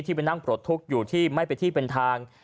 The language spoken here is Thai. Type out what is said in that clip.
ไปนั่งปลดทุกข์อยู่ที่ไม่เป็นที่เป็นทาง